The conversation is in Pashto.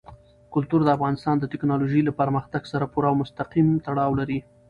کلتور د افغانستان د تکنالوژۍ له پرمختګ سره پوره او مستقیم تړاو لري.